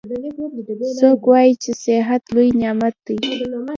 څوک وایي چې صحت لوی نعمت ده